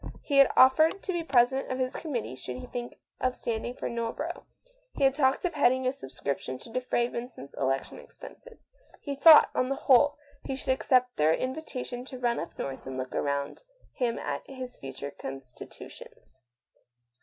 He had offered to be president of his committee should he think of standing for Northborough ; he had talked of heading . THE MAN EETUBNS. 1 ?3 ) v ..^ a subscription to defray Vincent's election expenses. He thought, on the whole, he should accept their invitation to run up north and look around him at his future constitu ents.